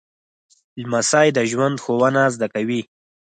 لمسی د ژوند ښوونه زده کوي.